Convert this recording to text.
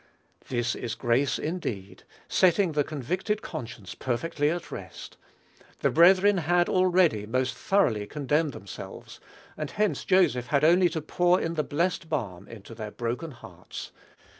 This is grace indeed, setting the convicted conscience perfectly at rest. The brethren had, already, most thoroughly condemned themselves, and hence Joseph had only to pour in the blessed balm into their broken hearts.